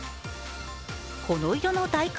この色の大観